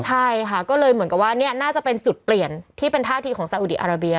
ใช่ค่ะก็เลยเหมือนกับว่าเนี่ยน่าจะเป็นจุดเปลี่ยนที่เป็นท่าทีของซาอุดีอาราเบีย